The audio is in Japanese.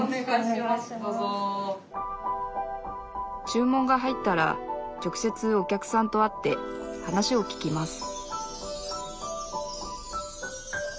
注文が入ったら直接お客さんと会って話を聞きます